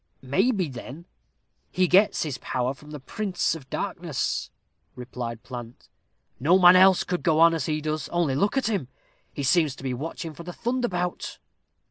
"Maybe, then, he gets his power from the Prince of Darkness," replied Plant; "no man else could go on as he does only look at him. He seems to be watching for the thunderbowt."